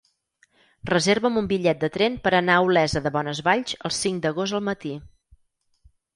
Reserva'm un bitllet de tren per anar a Olesa de Bonesvalls el cinc d'agost al matí.